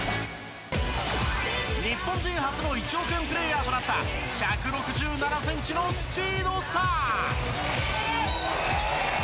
日本人初の１億円プレーヤーとなった１６７ｃｍのスピードスター。